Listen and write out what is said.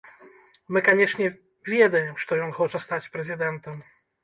Мы канешне, ведаем, што ён хоча стаць прэзідэнтам.